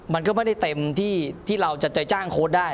มันก็ไม่ได้เต็มที่เราจะไปจ้างโค้ดได้